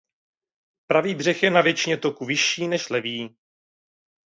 Pravý břeh je na většině toku vyšší než levý.